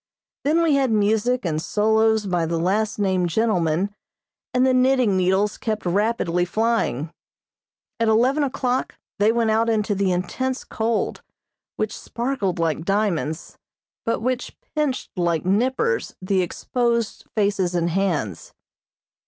Then we had music and solos by the last named gentleman, and the knitting needles kept rapidly flying. At eleven o'clock they went out into the intense cold, which sparkled like diamonds, but which pinched like nippers the exposed faces and hands.